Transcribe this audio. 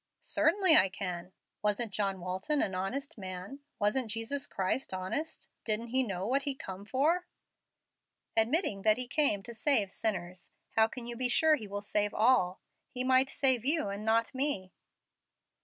"Certain I can. Wasn't John Walton an honest man? Wasn't Jesus Christ honest? Didn't he know what He come for?" "Admitting that He came to save sinners, how can you be sure He will save all? He might save you and not me."